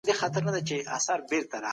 هدیرې کړې